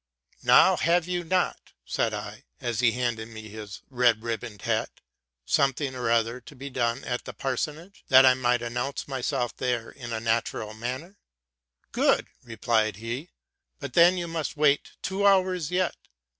'+ Now, haye you not,'' said I, as he handed me his beribboned hat, ''something or other to be done at the parsonage, that I might announce myself there in a natural manner? ''?— 'Very well,'' replied he; '' but then, you must wait two hours yet.